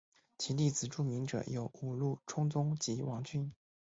其弟子著名者有五鹿充宗及王骏。